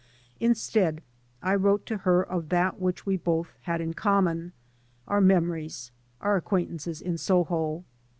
Instead I wrote to her of that which we both had in common — our memories, our acquaintances in Soho.